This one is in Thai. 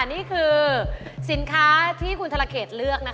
นี่คือสินค้าที่คุณธรเขตเลือกนะคะ